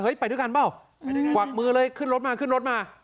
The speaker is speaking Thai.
ไปด้วยกันเปล่ากวักมือเลยขึ้นรถมาขึ้นรถมา